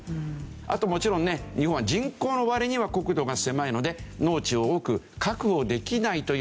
あともちろんね日本は人口の割には国土が狭いので農地を多く確保できないという。